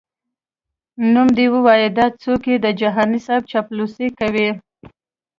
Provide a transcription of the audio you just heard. نوم دي وایه دا څوک یې د جهاني صیب چاپلوسي کوي؟🤧🧐